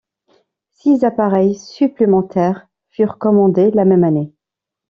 Six appareils supplémentaires furent commandés la même année.